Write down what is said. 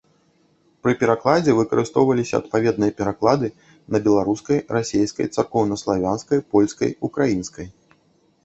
Пры перакладзе выкарыстоўваліся адпаведныя пераклады на беларускай, расейскай, царкоўнаславянскай, польскай, украінскай.